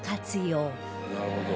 「なるほど。